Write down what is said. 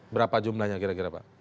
berapa jumlahnya kira kira pak